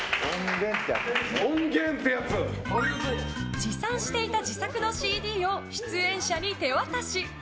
持参していた自作のＣＤを出演者に手渡し。